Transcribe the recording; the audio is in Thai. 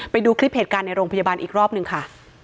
ไปดูคลิปเหตุการณ์ในโรงพยาบาลอีกรอบหนึ่งค่ะ